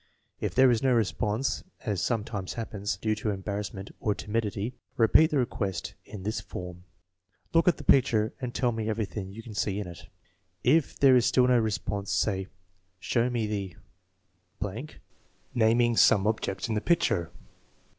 If there is no response, as sometimes happens, due to embarrass ment or timidity, repeat the request in this form: "Look at the picture and tell me everything you can see in it." If there is still no response, say: " Show me the ..." (naming some object in the picture).